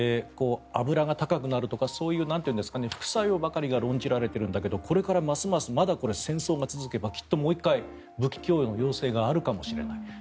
油が高くなるとかそういう副作用ばかりが論じられているんだけどこれからますますまだ戦争が続けばきっともう１回武器供与の要請があるかもしれない。